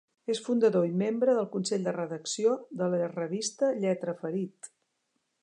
És fundador i membre del consell de redacció de la Revista Lletraferit.